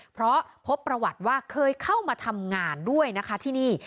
เพราะพบประวัติว่าเคยเข้ามาทำงานด้วยนะคะที่นี่